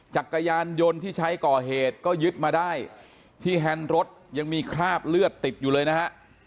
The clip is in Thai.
จักรยานยนต์ที่ใช้ก่อเหตุก็ยึดมาได้ที่แฮนด์รถยังมีคราบเลือดติดอยู่เลยนะฮะ